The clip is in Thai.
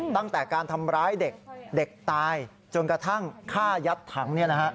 ตั้งแต่การทำร้ายเด็กเด็กตายจนกระทั่งฆ่ายัดถัง